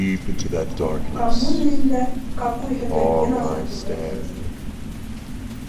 Коммун өйөндә какуй һеҙгә йыназа, тип әйтә, ти.